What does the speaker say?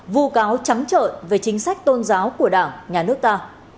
vụ cáo chấm trợ về chính sách tôn giáo của đảng nhà nước ta